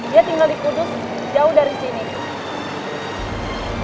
dia tinggal di kudus jauh dari sini